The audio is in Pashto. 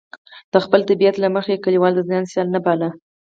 د خپل طبیعت له مخې یې کلیوال د ځان سیال نه باله.